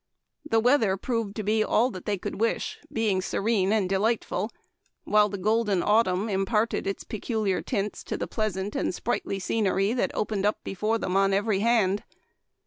The weather proved to be all they could wish, being serene and delightful, while the golden autumn imparted its peculiar tints to the pleas ant and sprightly scenery that opened up before them on every hand.